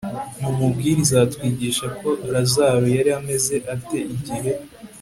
mu mubwiriza hatwigisha ko lazaro yari ameze ate igihe